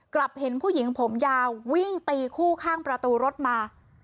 กลับเห็นผู้หญิงผมยาววิ่งตีคู่ข้างประตูรถมา